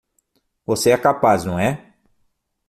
Você é capaz, não é?